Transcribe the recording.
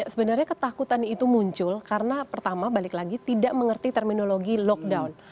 sebenarnya ketakutan itu muncul karena pertama balik lagi tidak mengerti terminologi lockdown